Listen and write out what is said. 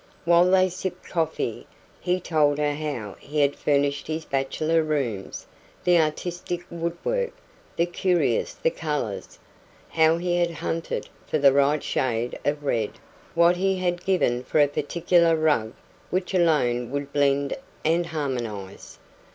While they sipped coffee, he told her how he had furnished his bachelor rooms the artistic woodwork, the curios, the colours, how he had hunted for the right shade of red, what he had given for a particular rug which alone would blend and harmonise.